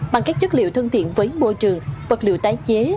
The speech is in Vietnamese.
bằng các chất liệu thân thiện với môi trường vật liệu tái chế